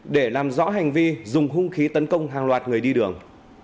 để làm rõ hành vi dùng hung khí tấn công hàng loạt người đi đường